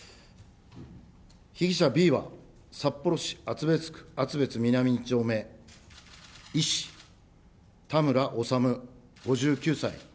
被疑者Ｂは、札幌市厚別区厚別南２丁目、医師、田村修５９歳。